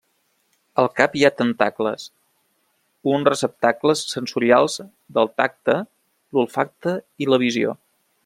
Al cap hi ha tentacles, uns receptacles sensorials del tacte, l'olfacte i la visió.